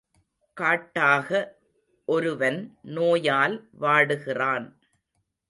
காட்டாக, ஒருவன் நோயால் வாடுகிறான்.